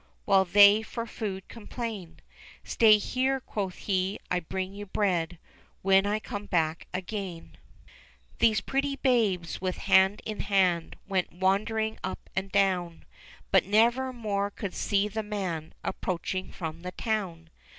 While they for food complain : "Stay here," quoth he, "I'll bring you bread, When I come back again." 314 ENGLISH FAIRY TALES These pretty babes, with hand in hand, Went wandering up and down ; But never more could see the man Approaching from the town.